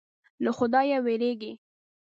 له خدایه وېرېږي.